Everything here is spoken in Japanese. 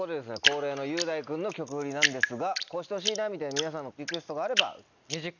恒例の雄大君の曲フリなんですがこうしてほしいなみたいな皆さんのリクエストがあれば。